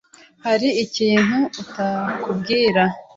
Hari ikintu utatubwira?